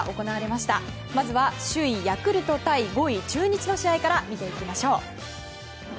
まずは首位、ヤクルト対５位、中日の試合から見ていきましょう。